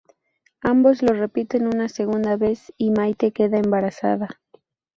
Ambos lo repiten una segunda vez y Maite queda embarazada.